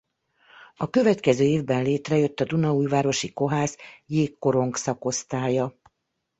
A következő évben létrejött a Dunaújvárosi Kohász jégkorong-szakosztálya.